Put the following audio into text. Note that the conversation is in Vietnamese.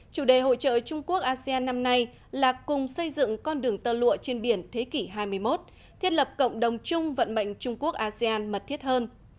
chủ đề hội trợ trung quốc asean năm nay là cùng xây dựng con đường tơ lụa trên biển thế kỷ hai mươi một thiết lập cộng đồng chung vận mệnh trung quốc asean mật thiết hơn